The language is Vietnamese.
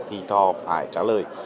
thì cho phải trả lời